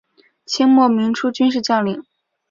清末民初军事将领。